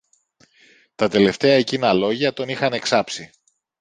Τα τελευταία εκείνα λόγια τον είχαν εξάψει